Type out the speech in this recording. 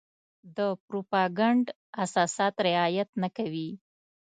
د پروپاګنډ اساسات رعايت نه کوي.